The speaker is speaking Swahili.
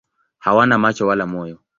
Hawana macho wala moyo.